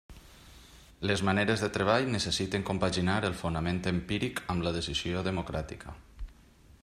Les maneres de treball necessiten compaginar el fonament empíric amb la decisió democràtica.